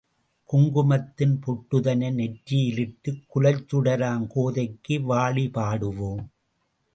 குங்குமத்தின் பொட்டுதனை நெற்றியிலிட்டு குலச் சுடராம் கோதைக்கு வாழி பாடுவோம்.